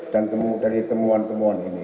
dan dari temuan temuan ini